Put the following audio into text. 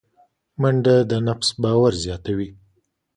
منډه د نفس باور زیاتوي